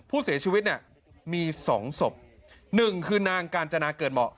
ผู้เสียชีวิตเนี่ยมีสองศพหนึ่งคือนางกาญจนาเกิดเหมาะ